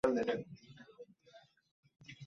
ধরো কথার কথা, বের হয়েও গেলাম!